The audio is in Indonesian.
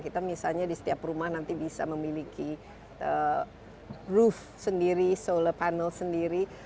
kita misalnya di setiap rumah nanti bisa memiliki roof sendiri solar panel sendiri